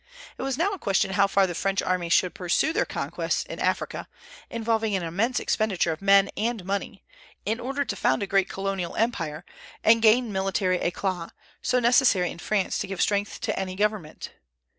It was now a question how far the French armies should pursue their conquests in Africa, involving an immense expenditure of men and money, in order to found a great colonial empire, and gain military éclat, so necessary in France to give strength to any government.